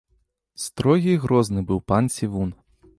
Строгі і грозны быў пан цівун.